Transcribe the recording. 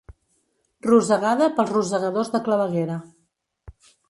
Rosegada pels rosegadors de claveguera.